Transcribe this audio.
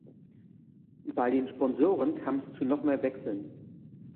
Bei den Sponsoren kam es zu noch mehr Wechseln.